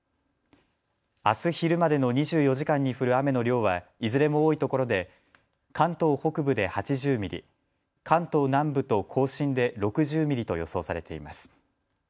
あす昼までの２４時間に降る雨の量はいずれも多いところで関東北部で８０ミリ、関東南部と甲信で６０ミリと予想されています。